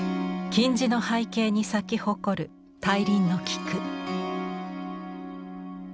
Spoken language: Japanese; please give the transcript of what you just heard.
金地の背景に咲き誇る大輪の菊。